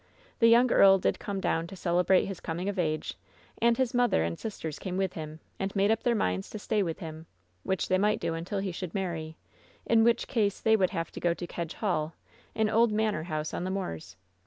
The young earl did come down to celebrate his coming of age, and his mother and sisters came with him, and made up their minds to stay with him, which they might do until he should marry, in which case they would have to go to Kedge Hall, an old manor house on the moors.